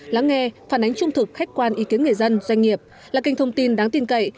lắng nghe phản ánh trung thực khách quan ý kiến người dân doanh nghiệp là kênh thông tin đáng tin cậy